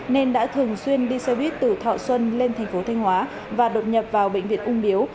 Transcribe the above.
nên đã thường xuyên đi xe buýt từ thọ xuân lên thành phố thanh hóa và đột nhập vào bệnh viện ung biếu